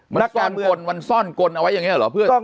มันซ่อนกลมันซ่อนกลเอาไว้อย่างนี้เหรอเพื่อน